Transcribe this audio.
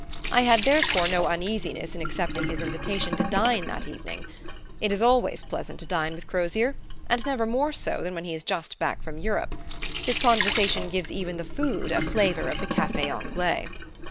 I had therefore no uneasiness in accepting his invitation to dine that evening. It is always pleasant to dine with Crozier and never more so than when he is just back from Europe. His conversation gives even the food a flavor of the Café Anglais.